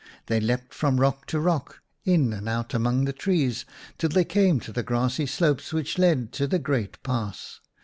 They leapt from rock to rock, in and out among the trees, till they came to the grassy slopes which led to the great pass.